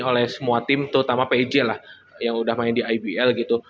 oleh semua tim terutama pj lah yang udah main di ibl gitu